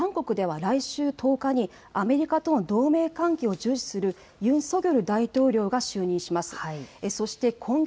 そして韓国では来週１０日にアメリカとの同盟関係を重視するユン・ソギョル大統領が就任します。